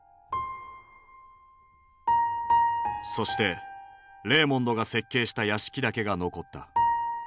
そしてレーモンドが設計した屋敷だけが残った。